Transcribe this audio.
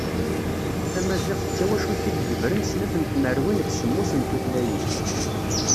Tamaziɣt d tawacult i yegebren snat n tmerwin d semmus n tutlayin.